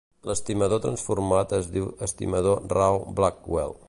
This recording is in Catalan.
L'estimador transformat es diu estimador Rao-Blackwell.